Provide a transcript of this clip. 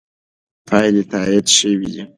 پایلې تایید شوې دي.